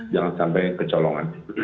jangan sampai kecolongan